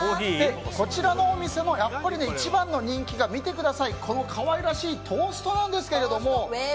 こちらのお店もやっぱり一番の人気がこの可愛らしいトーストなんですけども。